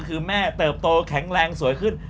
คือแม่เติบโตแข็งแรงสวยขึ้น